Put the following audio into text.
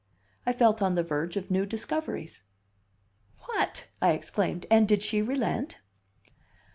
I felt on the verge of new discoveries. "What!" I exclaimed, "and did she relent?"